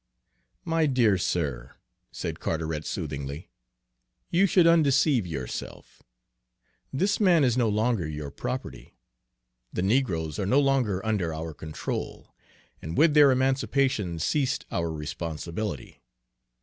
"My dear sir," said Carteret soothingly, "you should undeceive yourself. This man is no longer your property. The negroes are no longer under our control, and with their emancipation ceased our responsibility.